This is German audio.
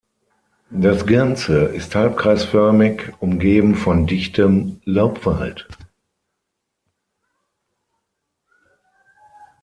Das Ganze ist halbkreisförmig umgeben von dichtem Laubwald.